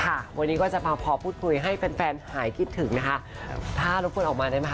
ค่ะวันนี้ก็จะมาพอพูดคุยให้แฟนแฟนหายคิดถึงนะคะถ้ารบกวนออกมาได้ไหมค